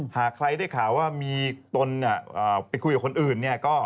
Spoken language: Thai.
หากใครได้ข่าวว่ามีตนไปคุยกับคนอื่น